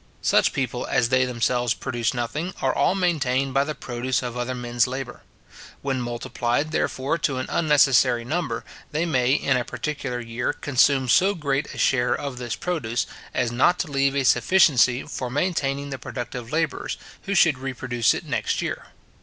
Such people, as they themselves produce nothing, are all maintained by the produce of other men's labour. When multiplied, therefore, to an unnecessary number, they may in a particular year consume so great a share of this produce, as not to leave a sufficiency for maintaining the productive labourers, who should reproduce it next year.